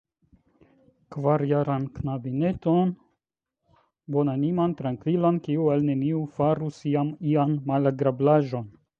Kvarjaran knabineton, bonaniman, trankvilan, kiu al neniu farus iam ian malagrablaĵon.